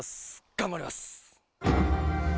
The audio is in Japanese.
頑張ります！